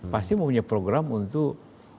pasti mempunyai program untuk